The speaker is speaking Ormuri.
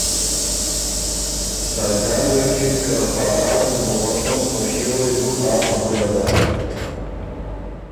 ساجان غوېکِن که ”پاراخه دل بُو غوسم، په شیو وې بو آ خبُره داک